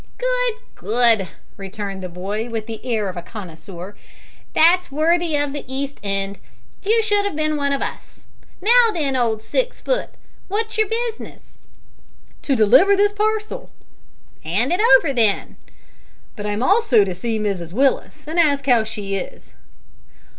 "Good, good!" returned the boy, with the air of a connoisseur; "that's worthy of the East End. You should 'ave bin one of us. Now then, old six foot! wot's your business?" "To deliver this parcel." "'And it over, then." "But I am also to see Mrs Willis, and ask how she is."